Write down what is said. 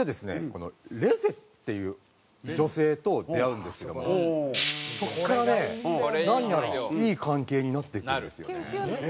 このレゼっていう女性と出会うんですけどもそこからね何やらいい関係になっていくんですよね。